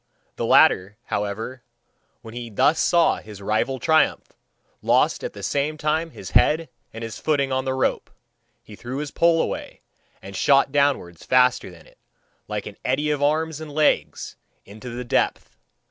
The latter, however, when he thus saw his rival triumph, lost at the same time his head and his footing on the rope; he threw his pole away, and shot downwards faster than it, like an eddy of arms and legs, into the depth.